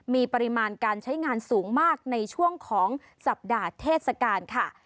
มีปริมาณการใช้งานสูงมากในช่วงของสัปดาห์เทศกาลค่ะ